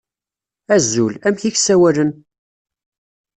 Azul, amek i k-ssawalen?